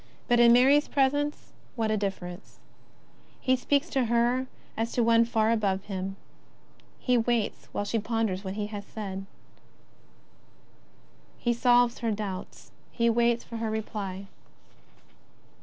But in Mary's presence, what a difference ! He speaks to her as to one far above him ; he waits while she ponders what he has said ; he solves her doubts; he waits for her reply.